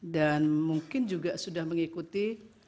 dan mungkin juga sudah mengikuti